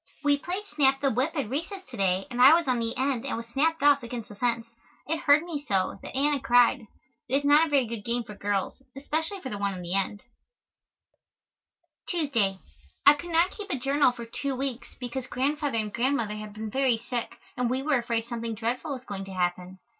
We played snap the whip at recess to day and I was on the end and was snapped off against the fence. It hurt me so, that Anna cried. It is not a very good game for girls, especially for the one on the end. [Illustration: Grandfather Beals, Grandmother Beals] Tuesday. I could not keep a journal for two weeks, because Grandfather and Grandmother have been very sick and we were afraid something dreadful was going to happen.